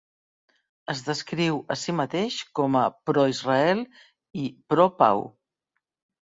Es descriu a sí mateix com a "pro Israel" i "pro pau".